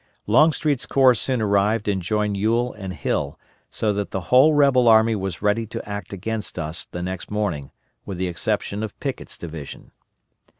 Longstreet's corps soon arrived and joined Ewell and Hill; so that the whole rebel army was ready to act against us the next morning, with the exception of Pickett's division.